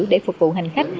để phục vụ hành khách